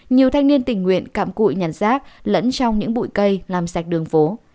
nhiều thanh niên tình nguyện cạm cụi nhắn rác lẫn trong những bụi cây làm sạch đường phố